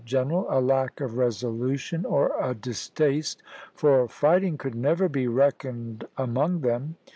general, a lack of resolution or a distaste for fight chap. vi. ing could never be reckoned among them.